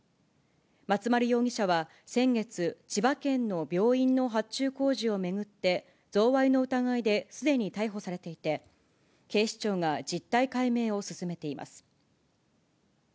松丸容疑者は先月、千葉県の病院の発注工事を巡って贈賄の疑いですでに逮捕されていて、警視庁が実態解明を進めています。